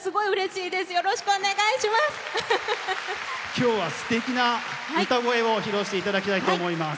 今日はすてきな歌声を披露して頂きたいと思います。